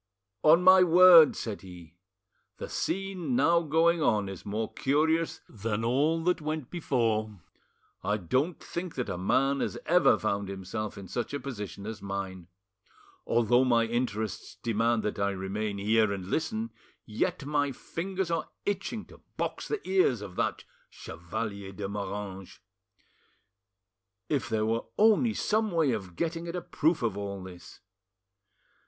"On my word," said he, "the scene now going on is more curious than all that went before. I don't think that a man has ever found himself in such a position as mine. Although my interests demand that I remain here and listen, yet my fingers are itching to box the ears of that Chevalier de Moranges. If there were only some way of getting at a proof of all this!